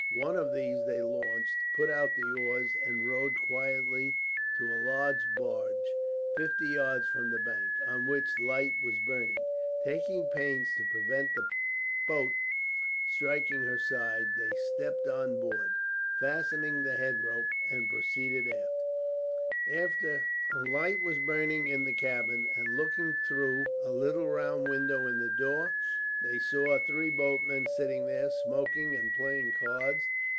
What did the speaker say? One of these they launched, put out the oars, and rowed quietly to a large barge, fifty yards from the bank, on which a light was burning. Taking pains to prevent the boat striking her side, they stepped on board, fastened the head rope, and proceeded aft. A light was burning in the cabin and, looking through a little round window in the door, they saw three boatmen sitting there, smoking and playing cards.